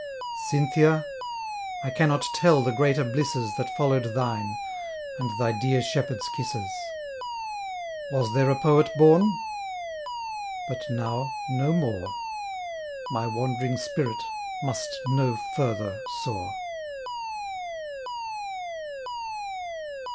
Cynthia! I cannot tell the greater blisses, That follow'd thine, and thy dear shepherd's kisses: Was there a Poet born? but now no more, My wand'ring spirit must no further soar.